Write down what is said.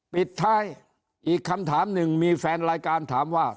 ปิดท้ายอีกคำถามหนึ่งมีแฟนรายการถามว่า